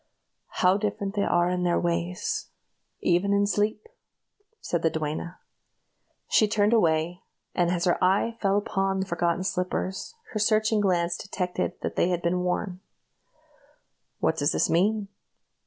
"How different they are in their ways, even in sleep!" said the duenna. She turned away, and as her eye fell upon the forgotten slippers, her searching glance detected that they had been worn. "What does this mean?